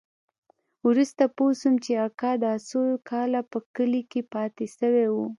وروسته پوه سوم چې اکا دا څو کاله په کلي کښې پاته سوى و.